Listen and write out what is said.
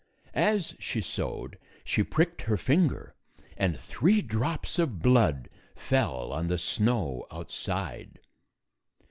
As she sewed she pricked her finger, and three drops of blood fell on the snow out side.